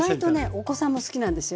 お子さんも好きなんですよ。